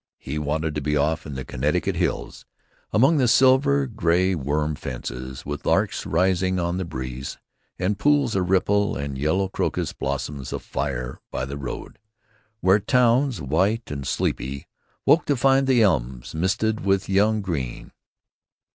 He wanted to be off in the Connecticut hills, among the silvery gray worm fences, with larks rising on the breeze and pools a ripple and yellow crocus blossoms afire by the road, where towns white and sleepy woke to find the elms misted with young green.